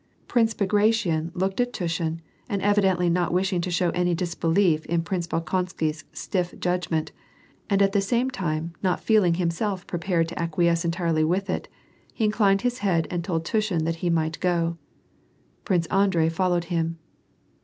Prince Bagration looked at Tushin, and evidently not wish ing to show any disbelief in Prince Bolkonsky's stiff judgment, and at the same time, not feeling himself prepared to acquiesce entirely with it, he inclined his head and told Tushfci that he might go. Prince Andrei followed him.